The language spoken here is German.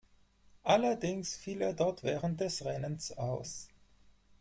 Allerdings fiel er dort während des Rennens aus.